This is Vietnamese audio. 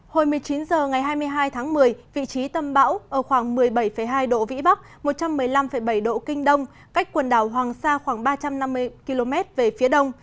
hồi một mươi chín h ngày hai mươi hai tháng một mươi vị trí tâm bão ở khoảng một mươi bảy hai độ vĩ bắc một trăm một mươi năm bảy độ kinh đông cách quần đảo hoàng sa khoảng ba trăm năm mươi km về phía đông